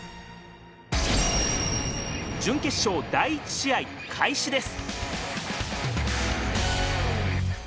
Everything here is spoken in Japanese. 準決勝第１試合開始です。